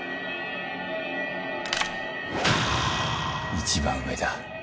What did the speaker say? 一番上だ。